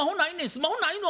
「スマホないの？」